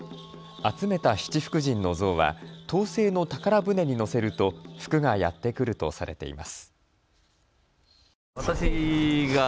集めた七福神の像は陶製の宝船にのせると福がやってくるとされています。